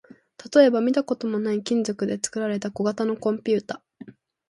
例えば、見たこともない金属で作られた小型のコンピュータ